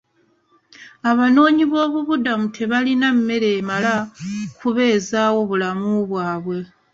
Abanoonyi b'obubuddamu tebalina mmere emala kubeezawo bulamu bwabwe.